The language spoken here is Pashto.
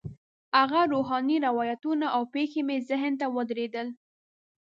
هغه روحاني روایتونه او پېښې مې ذهن ته ودرېدل.